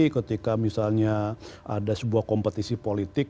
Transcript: ketika misalnya ada sebuah kompetisi politik